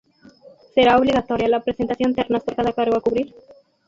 Será obligatoria la presentación ternas por cada cargo a cubrir.